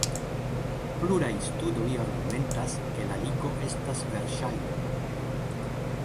Pluraj studoj argumentas ke la ligo estas verŝajna.